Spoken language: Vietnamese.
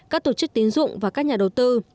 các tổ chức tín dụng và các nhà đầu tư